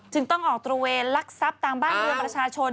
ต้องออกตระเวนลักทรัพย์ตามบ้านเรือประชาชน